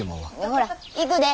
ほら行くで。